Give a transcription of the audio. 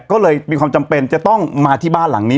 ก็เลยมีความจำเป็นจะต้องมาที่บ้านหลังนี้